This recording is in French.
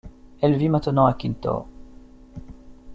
Elle vit maintenant à Kintore.